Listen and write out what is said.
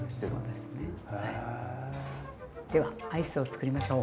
ではアイスをつくりましょう。